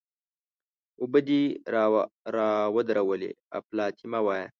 اوبه دې را ودرولې؛ اپلاتي مه وایه!